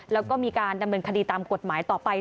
แล้วก็มีการดำเนินคดีตามกฎหมายต่อไป